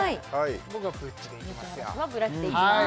僕はプッチでいきます